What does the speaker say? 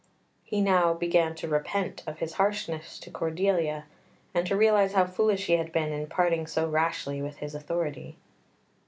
He now began to repent of his harshness to Cordelia, and to realise how foolish he had been in parting so rashly with his authority.